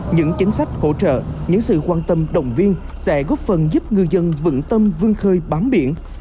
những chính sách hỗ trợ những sự quan tâm động viên sẽ góp phần giúp ngư dân vững tâm vươn khơi bám biển